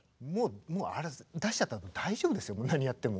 もうあれ出しちゃったんで大丈夫ですよ何やっても。